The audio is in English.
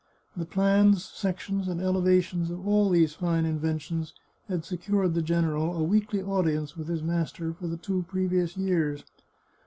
The plans, sections, and elevations of all these fine inventions had secured the general a weekly audience with his master for the two previous years.